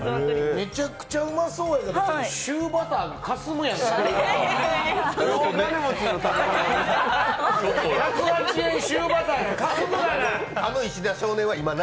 めちゃくちゃうまそうやけど、多分シューバターがかすむがな。